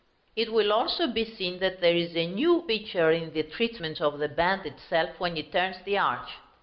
It will be also seen that there is a new feature in the treatment of the band itself when it turns the arch.